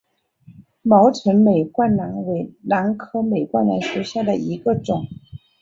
毛唇美冠兰为兰科美冠兰属下的一个种。